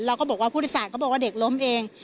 ก็บอกว่าผู้โดยสารเขาบอกว่าเด็กล้มเอง